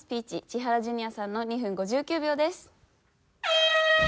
千原ジュニアさんの２分５９秒です。